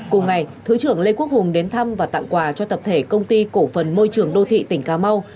cùng ngày thứ trưởng lê quốc hùng đến thăm và tặng quà cho tập thể công ty cổ phần môi trường đô thị tỉnh cà mau